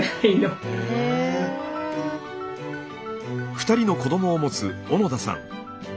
２人の子どもを持つ小野田さん。